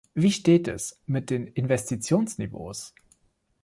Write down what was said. Wie steht es mit den Investitionsniveaus?